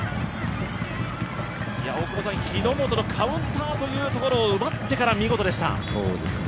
日ノ本のカウンターというところを奪ってから見事でした。